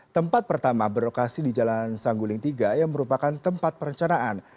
tempat pertama berlokasi di jalan sangguling tiga yang merupakan tempat perencanaan